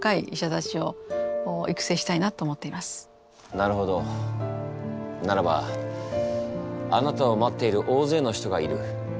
なるほどならばあなたを待っている大勢の人がいる。